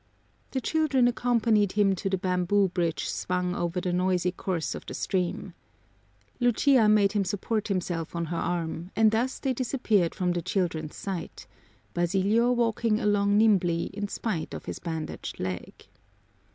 The children accompanied him to the bamboo bridge swung over the noisy course of the stream. Lucia made him support himself on her arm, and thus they disappeared from the children's sight, Basilio walking along nimbly in spite of his bandaged leg.